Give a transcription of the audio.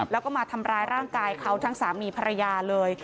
แล้วก็มาทำร้ายร่างกายเขาทั้งสามีภรรยาเลย